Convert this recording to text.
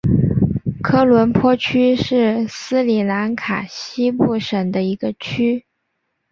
科伦坡区是斯里兰卡西部省的一个区。